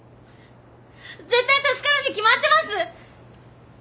絶対助かるに決まってます！